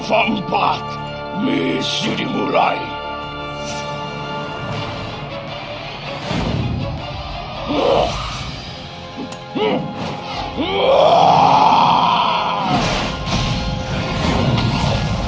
sampai jumpa setelah kita kembali ke kawasan ini